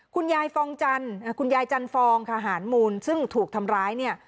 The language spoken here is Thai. ฟองจันทร์คุณยายจันฟองค่ะหารมูลซึ่งถูกทำร้ายเนี่ย